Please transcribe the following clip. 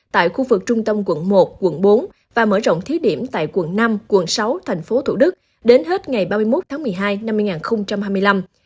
tại khu vực trung tâm quận một quận bốn và mở rộng thí điểm tại quận năm quận sáu tp thủ đức đến hết ngày ba mươi một tháng một mươi hai năm hai nghìn hai mươi năm